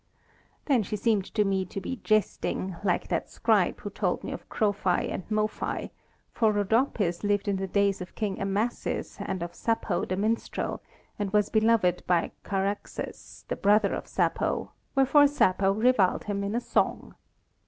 Then she seemed to me to be jesting, like that scribe who told me of Krôphi and Môphi; for Rhodopis lived in the days of King Amasis and of Sappho the minstrel, and was beloved by Charaxus, the brother of Sappho, wherefore Sappho reviled him in a song.